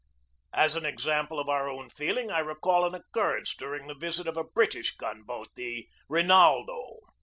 As an example of our own feeling I recall an oc currence during the visit of a British gun boat, the Rinaldo.